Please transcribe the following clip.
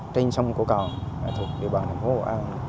trên sông cổ cầu thuộc địa bàn thành phố hội an